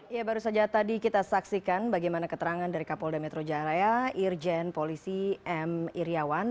ya baru saja tadi kita saksikan bagaimana keterangan dari kapolda metro jaya raya irjen polisi m iryawan